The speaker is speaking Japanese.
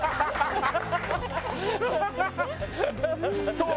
そう。